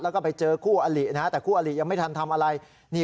แล้วก็ไปเจอคู่อลินะฮะแต่คู่อลิยังไม่ทันทำอะไร